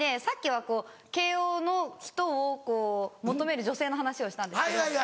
さっきは慶應の人を求める女性の話をしたんですけど。